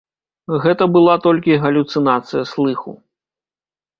Гэта была толькі галюцынацыя слыху.